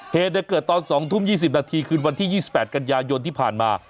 เหตุเกิดตอน๒ทุ่ม๒๐นาทีคืนวันที่๒๘กันยายนที่ผ่านมา